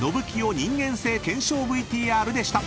人間性検証ＶＴＲでした］